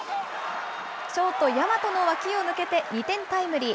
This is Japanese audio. ショート、大和の脇を抜けて、２点タイムリー。